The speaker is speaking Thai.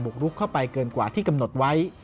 กรุกเข้าไปเกินกว่าที่กำหนดไว้